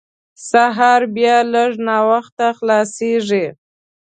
سهار بیا لږ ناوخته خلاصېږي.